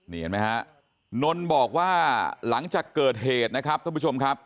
นนนปกว่าหลังจากเกิดเหตุนะครับท่านผู้ชม